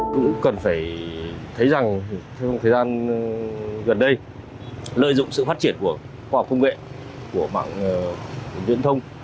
cũng cần phải thấy rằng trong thời gian gần đây lợi dụng sự phát triển của khoa học công nghệ của mạng viễn thông